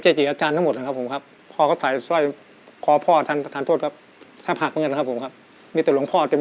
คิดว่าคุณจะช่วยได้หนูรักพี่ต้องนะคะแต่ว่าหนูว่าพระไม่น่าจะเกี่ยวกับงานนี้นะครับ